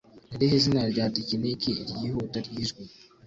Ni irihe zina rya tekiniki ryihuta ryijwi